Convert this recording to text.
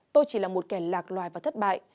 tôi chỉ là một kẻ lạc loài và thất bại